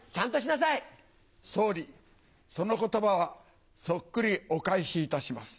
総理、そのことばはそっくりお返しいたします。